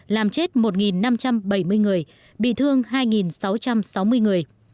làm chết một năm trăm bảy mươi người bị thương hai sáu trăm sáu mươi người